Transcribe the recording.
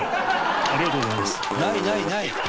ありがとうございます。